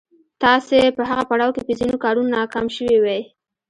تاسې په هغه پړاو کې په ځينو کارونو ناکام شوي وئ.